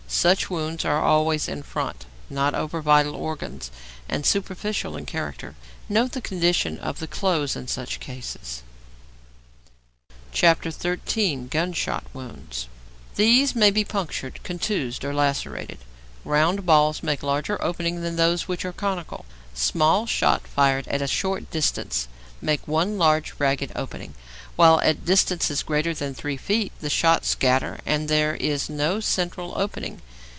Such wounds are always in front, not over vital organs, and superficial in character. Note the condition of the clothes in such cases. XIII. GUNSHOT WOUNDS These may be punctured, contused, or lacerated. Round balls make a larger opening than those which are conical. Small shot fired at a short distance make one large ragged opening; while at distances greater than 3 feet the shot scatter and there is no central opening.